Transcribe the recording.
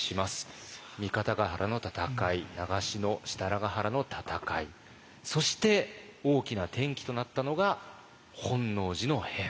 三方ヶ原の戦い長篠・設楽原の戦いそして大きな転機となったのが本能寺の変。